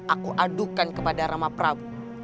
aku adukan kepada ramaprabu